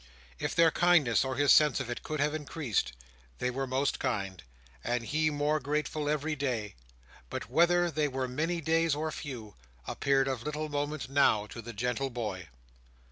If their kindness, or his sense of it, could have increased, they were more kind, and he more grateful every day; but whether they were many days or few, appeared of little moment now, to the gentle boy.